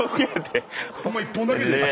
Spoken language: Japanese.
ホンマ１本だけでいい。